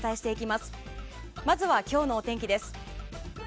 まずは今日のお天気です。